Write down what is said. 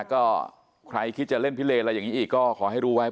ก็ใครคิดจะเล่นพิเลอะไรอย่างนี้อีกก็ขอให้รู้ไว้